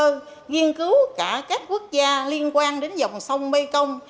nghiên cứu cả các quốc gia liên quan đến dòng sông mây công